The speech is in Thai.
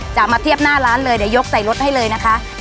จะมาเทียบหน้าร้านเลยเดี๋ยวยกใส่รถให้เลยนะคะ